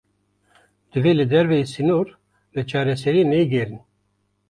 Divê li derveyî sînor, li çareseriyê neyê gerîn